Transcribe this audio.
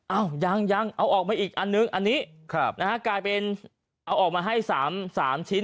เอายังเอาออกมาอีกอันนึงอันนี้